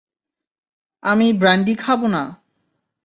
আমি ব্র্যান্ডি খাবো না।